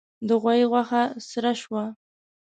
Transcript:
د غوايي غوښه سره شوه.